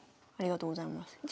ありがとうございます。